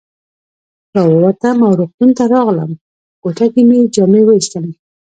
را ووتم او روغتون ته راغلم، په کوټه کې مې جامې وایستلې.